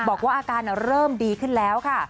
บอกว่าอาการเริ่มดีขึ้นแล้วค่ะ